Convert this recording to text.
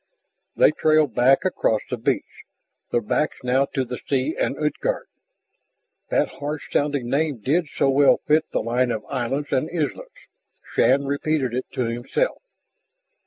They trailed back across the beach, their backs now to the sea and Utgard. That harsh sounding name did so well fit the line of islands and islets, Shann repeated it to himself.